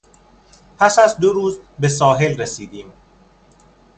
پس از دو روز به ساحل رسیدیم.